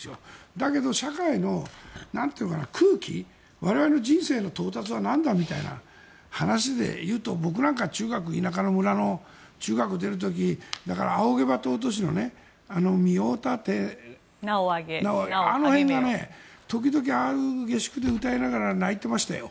だけど社会の空気我々の人生の到達は何だという話でいうと僕なんか中学の田舎の村の中学に出る時に「仰げば尊し」のみをたてってあの辺が時々、下宿で歌いながら泣いてましたよ。